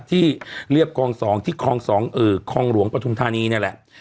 ที่เรียบคลองสองที่คลองสองเออคลองหลวงปฐุมธานีเนี่ยแหละ